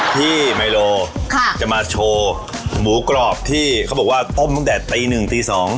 ไมโลจะมาโชว์หมูกรอบที่เขาบอกว่าต้มตั้งแต่ตีหนึ่งตี๒